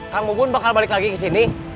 kamu pun bakal balik lagi ke sini